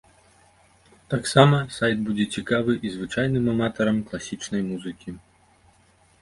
Таксама сайт будзе цікавы і звычайным аматарам класічнай музыкі.